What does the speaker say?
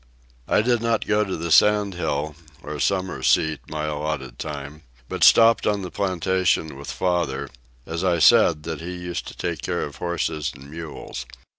I did not go to the sand hill, or summer seat, my alloted time, but stopped on the plantation with father, as I said that he used to take care of horses and mules.